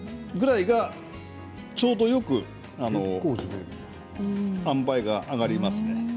それぐらいが、ちょうどよくあんばいがあがりますんで。